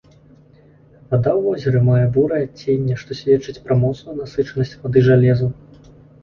Вада ў возеры мае бурае адценне, што сведчыць пра моцную насычанасць вады жалезам.